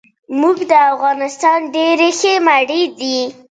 آیا ماشومان باید له تاوتریخوالي لرې نه وي؟